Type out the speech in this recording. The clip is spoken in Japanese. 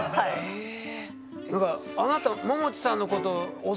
へえ！